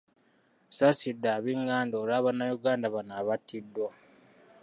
Nsaasidde ab’enganda olwa Bannayuganda bano abattiddwa.